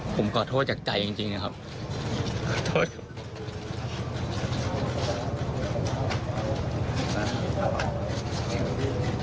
ผมขอโทษจากใจจริงนะครับ